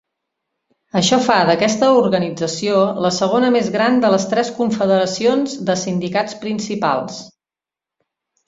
Això fa d'aquesta organització la segona més gran de les tres confederacions de sindicats principals.